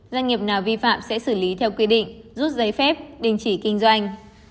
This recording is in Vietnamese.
doanh nghiệp nào vi phạm sẽ xử lý theo quy định rút giấy phép đình chỉ kinh doanh